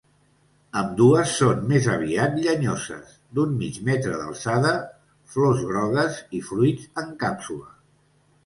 Ambdues són més aviat llenyoses, d'un mig metre d'alçada, flors grogues i fruits en càpsula.